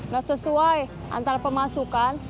gak sesuai antara pemasukan